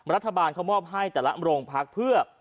รัฐบาลเขามอบให้แต่ละโรงพักเพื่อ